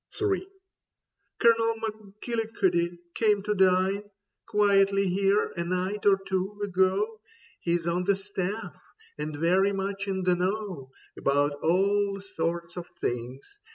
III. " Colonel McGillicuddy came to dine Quietly here, a night or two ago. He's on the Staff and very much in the know About all sorts of things.